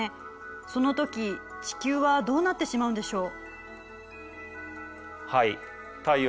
そのとき地球はどうなってしまうんでしょう？